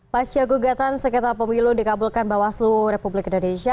pasca gugatan sekitar pemilu dikabulkan bawah seluruh republik indonesia